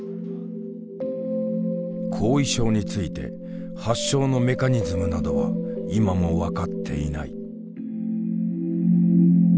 後遺症について発症のメカニズムなどは今も分かっていない。